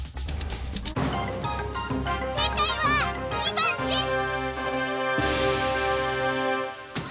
せいかいは２ばんです！